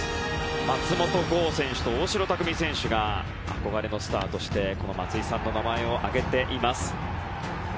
松本剛選手と大城卓三選手が憧れのスタートして松井さんの名前を挙げています。